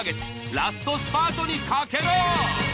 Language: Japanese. ラストスパートにかけろ！